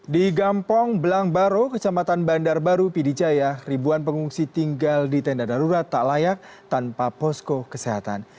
di gampong belangbaro kecamatan bandar baru pidijaya ribuan pengungsi tinggal di tenda darurat tak layak tanpa posko kesehatan